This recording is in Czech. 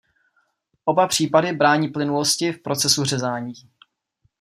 Oba případy brání plynulosti v procesu řezání.